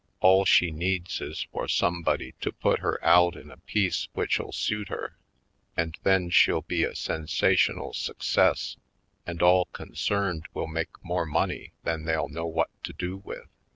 All she needs is for somebody to put her out in a piece which'll suit her and then she'll be a sensational success and all con cerned will make more money than they'll know what to do with.